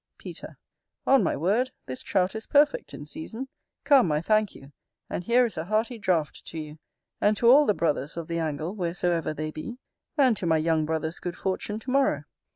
Peter. On my word, this Trout is perfect in season. Come, I thank you, and here is a hearty draught to you, and to all the brothers of the angle wheresoever they be, and to my young brother's good fortune to morrow.